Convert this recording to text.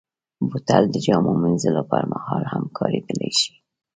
بوتل د جامو مینځلو پر مهال هم کارېدلی شي.